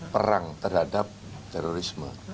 perang terhadap terorisme